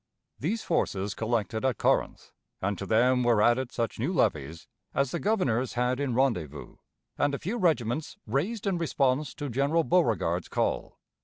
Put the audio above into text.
These forces collected at Corinth, and to them were added such new levies as the Governors had in rendezvous, and a few regiments raised in response to General Beauregard's call.